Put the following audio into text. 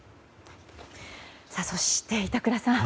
そして、板倉さん